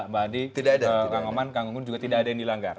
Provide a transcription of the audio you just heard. mbak andi kang oman kang unggun juga tidak ada yang dilanggar